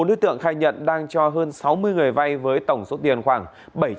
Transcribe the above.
bố đối tượng khai nhận đang cho hơn sáu mươi người vay với tổng số tiền khoảng bảy trăm sáu mươi triệu đồng